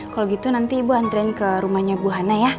kalau gitu nanti ibu anturin ke rumahnya buahana ya